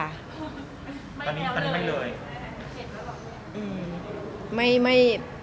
ตอนนี้ไม่เลย